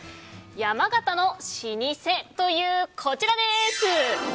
山形の老舗というこちらです。